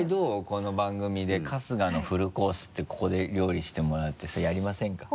この番組で春日のフルコースってここで料理してもらってさやりませんか？